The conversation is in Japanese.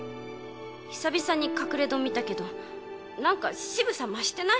久々に隠戸見たけどなんか渋さ増してない？